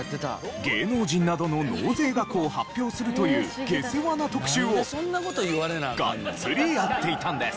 芸能人などの納税額を発表するという下世話な特集をガッツリやっていたんです。